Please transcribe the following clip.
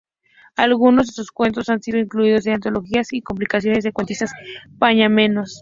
Algunos de sus cuentos han sido incluidos en antologías y compilaciones de cuentistas panameños.